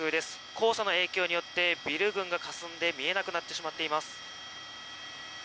黄砂の影響によってビル群がかすんで見えなくなってしまっています。